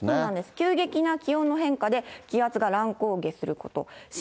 急激な気温の変化で血圧が乱高下すること。